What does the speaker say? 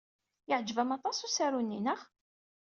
Yeɛjeb-am aṭas usaru-nni, naɣ?